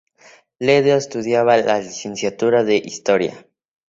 Ledo estudiaba la licenciatura de Historia.